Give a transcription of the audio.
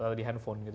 atau di handphone gitu